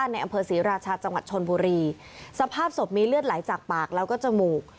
ในอำเภอศรีราชาจังหวัดชนบุรีสภาพศพมีเลือดไหลจากปากแล้วก็จมูก